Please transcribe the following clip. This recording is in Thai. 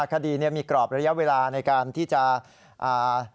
คดีเนี่ยมีกรอบระยะเวลาในการที่จะอ่า